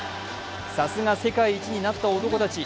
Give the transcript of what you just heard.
さすが世界一になった男たち